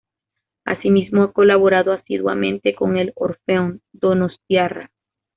Asimismo ha colaborado asiduamente con el Orfeón Donostiarra.